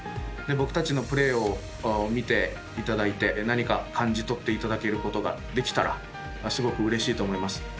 僕たちのプレーを見ていただいてなにか感じ取っていただけることができたらすごくうれしいと思います。